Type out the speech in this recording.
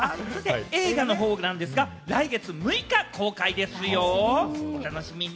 映画の方なんですが、来月６日公開ですよ、お楽しみに。